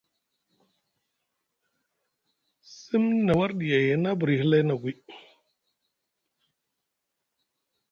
Simni na warɗi tay a na buri hlay nʼagwi.